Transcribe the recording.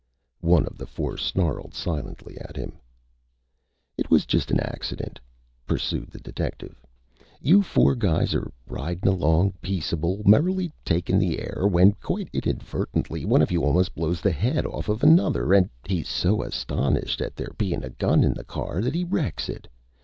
One of the four snarled silently at him. "It was just a accident," pursued the detective. "You four guys are ridin' along peaceable, merrily takin' the air, when quite inadvertently one of you almost blows the head off of another, and he's so astonished at there bein' a gun in the car that he wrecks it.